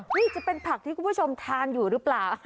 นี่จะเป็นผักที่คุณผู้ชมทานอยู่หรือเปล่า